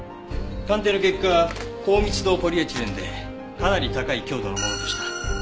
鑑定の結果高密度ポリエチレンでかなり高い強度のものでした。